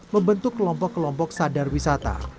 membentuk kelompok kelompok sadar wisata